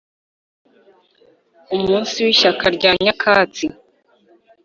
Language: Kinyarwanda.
umunsi w'ishyaka rya nyakatsi